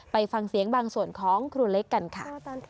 ไปฟังเสียงบางส่วนของครูเล็กกันค่ะ